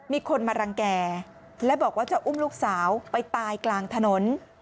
มีคนมารังแก่และบอกว่าจะอุ้มลูกสาวไปตายกลางถนน